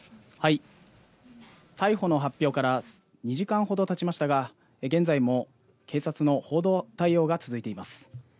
逮捕の発表から２時間ほどたちましたが、現在も警察の報道対応が続いています。